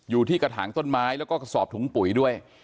อยู่ที่กระถางต้นไม้แล้วก็กระสอบถุงปุ๋ยด้วย